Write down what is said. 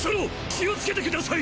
気をつけてください！